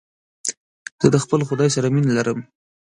زه د خپل خداى سره مينه لرم.